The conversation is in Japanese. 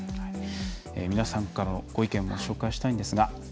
皆さんからのご意見ご紹介したいんですが。